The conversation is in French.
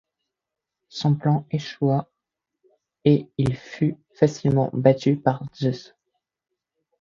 Son plan échoua, et il fut facilement battu par Zeus.